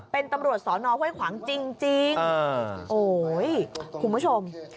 เป็นตำรวจสอนอห้วยขวางจริงโอ้ยคุณผู้ชม